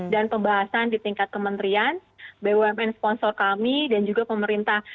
dan pembahasan di tingkat kementerian bumn sponsor kami dan juga pemerintah